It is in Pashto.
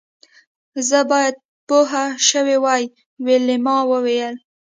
زه باید پوه شوې وای ویلما وویل